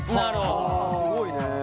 すごいね。